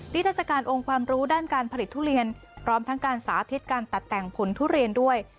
ทรัศกาลองค์ความรู้ด้านการผลิตทุเรียนพร้อมทั้งการสาธิตการตัดแต่งผลทุเรียนด้วย